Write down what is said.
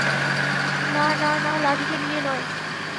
না, না, না, লাঠিটা নিয়ে নয়!